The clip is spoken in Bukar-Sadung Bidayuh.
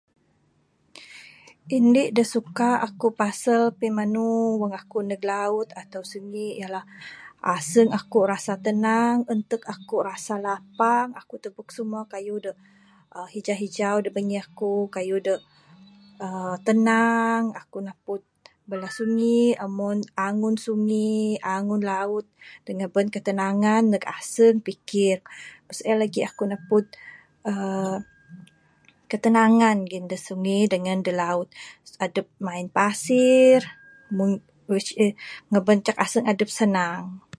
Indi da suka aku pasal pimanu Wang aku neg laut ato sungi ialah aseng aku rasa tenang entek aku rasa lapang aku tubek semua kayuh da hijau hijau da bangih aku. Kayuh da aaa tenang aku napud bala sungi omon angun sungi angun laut dangan ngaban ketenangan neg aseng pikir meng sien lagih aku napud aaa ketenangan lagih da sungi dangan da laut adep main pasir which is ngancak ngaban aseng adep senang.